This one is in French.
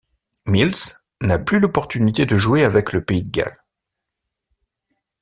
Mills n'a plus l'opportunité de jouer avec le pays de Galles.